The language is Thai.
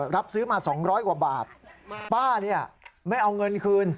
รับซื้อมา๒๐๐กว่าบาทป้าเนี่ยไม่เอาเงินคืน